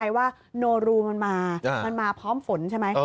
ว่าโนรูมันมามันมาพร้อมฝนใช่ไหม